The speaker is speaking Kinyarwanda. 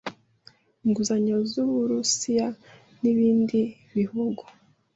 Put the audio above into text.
inguzanyo z'Uburusiya n'ibindi bihugu